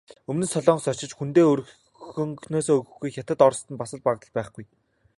Өмнөд Солонгост очиж хүндээ хөнгөнөөс өгөхгүй, Хятад, Орост нь бас л магадлал байхгүй.